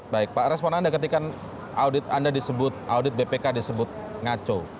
baik pak respon anda ketika audit bpk disebut ngaco